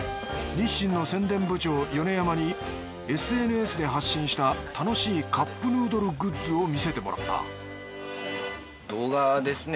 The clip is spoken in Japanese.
日清の宣伝部長米山にＳＮＳで発信した楽しいカップヌードルグッズを見せてもらった動画ですね。